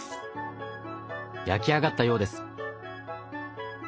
焼き上がったようです。